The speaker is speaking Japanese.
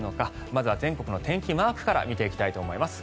まずは全国の天気マークから見ていきたいと思います。